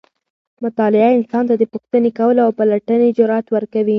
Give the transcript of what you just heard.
مطالعه انسان ته د پوښتنې کولو او پلټنې جرئت ورکوي.